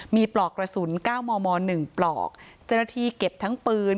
มีปลอกกระสุน๙มม๑ปลอกเจ้าหน้าที่เก็บทั้งปืน